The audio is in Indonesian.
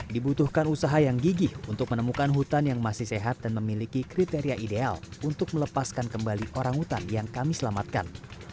dibutuhkan usaha yang gigih untuk menemukan hutan yang masih sehat dan memiliki kriteria ideal untuk melepaskan kembali orang hutan yang kami selamatkan